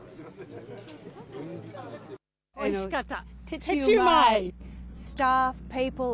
おいしかった。